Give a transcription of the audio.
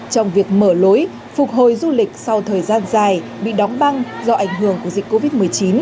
trong việc mở lối phục hồi du lịch sau thời gian dài bị đóng băng do ảnh hưởng của dịch covid một mươi chín